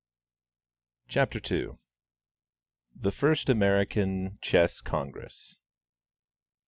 CHAPTER II. THE FIRST AMERICAN CHESS CONGRESS.